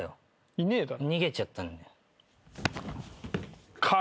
いねえだろ。